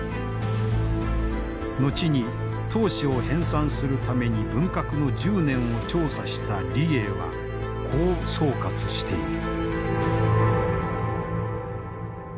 後に党史を編さんするために文革の１０年を調査した李鋭はこう総括している。